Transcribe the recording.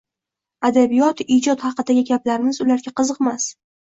Adabiyot, ijod haqidagi gaplarimiz ularga qiziqmas.